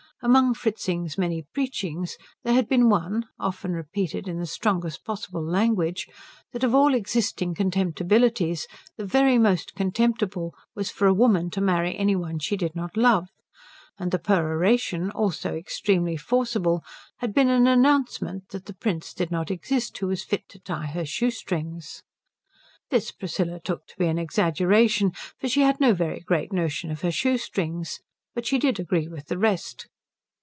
Among Fritzing's many preachings there had been one, often repeated in the strongest possible language, that of all existing contemptibilities the very most contemptible was for a woman to marry any one she did not love; and the peroration, also extremely forcible, had been an announcement that the prince did not exist who was fit to tie her shoestrings. This Priscilla took to be an exaggeration, for she had no very great notion of her shoestrings; but she did agree with the rest.